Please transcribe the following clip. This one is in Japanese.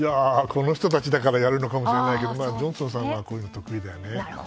この人たちだからやるのかもしれないけどジョンソン首相はこういうの得意だよね。